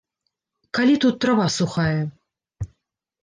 Калі тут трава сухая?